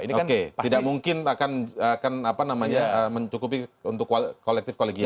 oke tidak mungkin akan mencukupi untuk kolektif kolegial